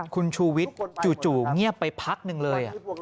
คุณชูวิทย์จู่เงียบไปพักหนึ่งเลย